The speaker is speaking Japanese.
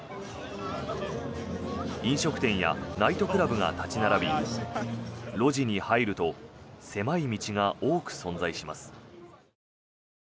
飲食店やナイトクラブが立ち並び路地に入ると狭い道が多く存在します。